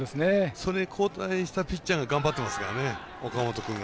それに交代したピッチャーが頑張ってますからね、岡本君が。